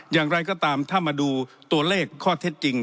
อย่างไรก็ตามถ้ามาดูตัวเลขข้อเท็จจริง